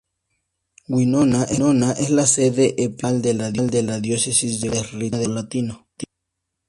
Winona es la sede episcopal de la diócesis de Winona de rito latino.